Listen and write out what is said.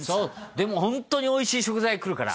でもホントにおいしい食材が来るから。